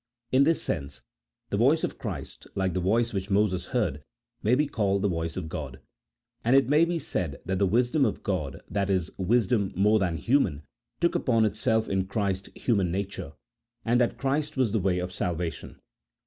In this sense the voice of Christ, like the voice which Moses heard, may be called the voice of G od, and it may be said that the wisdom of God (i.e. wisdom more than human) took upon itself in Christ human nature, and that Christ was the way of salvation.